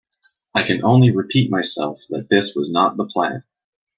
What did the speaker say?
I can only repeat myself that this was not the plan.